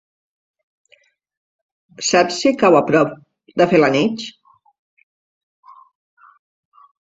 Saps si cau a prop de Felanitx?